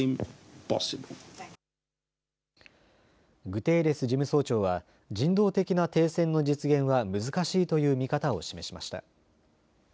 グテーレス事務総長は人道的な停戦の実現は難しいという見方を示しました。